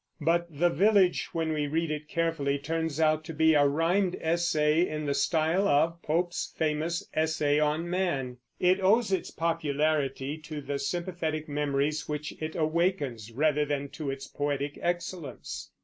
But the Village, when we read it carefully, turns out to be a rimed essay in the style of Pope's famous Essay on Man; it owes its popularity to the sympathetic memories which it awakens, rather than to its poetic excellence.